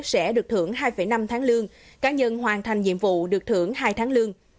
sẽ được thưởng hai năm tháng lương cá nhân hoàn thành nhiệm vụ được thưởng hai tháng lương